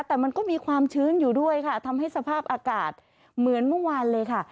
แต่มันก็มีความชื้นอยู่ด้วยค่ะทำให้สภาพอากาศเหมือนเมื่อวานเลยค่ะ